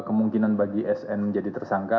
kemungkinan bagi sn menjadi tersangka